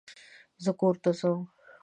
زه کور ته ځم